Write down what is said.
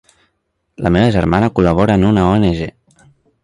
La meva germana col·labora en una ONG.